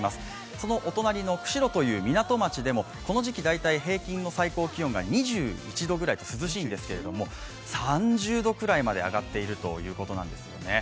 そのお隣の釧路という港町でもこの時期大体平均の最高気温が２１度くらい涼しいんですけれども３０度くらいまで上がっているということなんですよね。